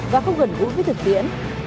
và không gần gũi với thực tiễn